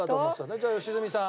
じゃあ良純さん。